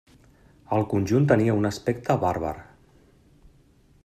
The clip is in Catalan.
El conjunt tenia un aspecte bàrbar.